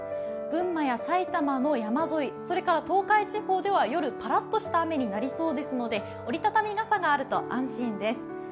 群馬や埼玉の山沿い、それから東海地方では夜、パラッとした雨になりそうですので折り畳み傘があると安心です。